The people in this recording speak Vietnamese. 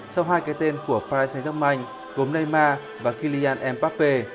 sau hai cái tên của paris saint germain gồm neymar và kylian mbappé